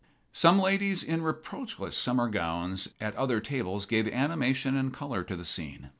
Some ladies in reproachless summer gowns at other tables gave animation and color to the scene.